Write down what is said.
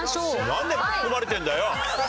なんで巻き込まれてんだよ！